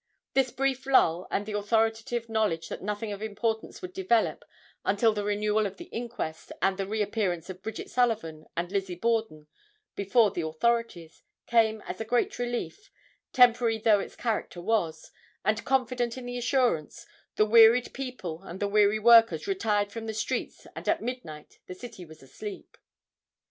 This brief lull and the authoritative knowledge that nothing of importance would develop until the renewal of the inquest and the re appearance of Bridget Sullivan and Lizzie Borden before the authorities came as a great relief, temporary though its character was, and confident in the assurance, the wearied people and the weary workers retired from the streets and at midnight the city was asleep.